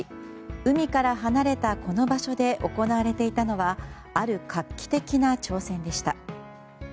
海から離れたこの場所で行われていたのはある画期的な挑戦でした。